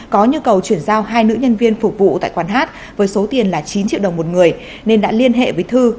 có nhu cầu chuyển giao hai nữ nhân viên phục vụ tại quán hát với số tiền là chín triệu đồng một người nên đã liên hệ với thư